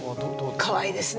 かわいいですね。